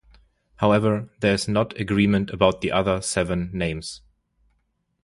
However, there is not agreement about the other seven names.